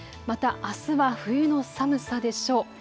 また、あすは冬の寒さでしょう。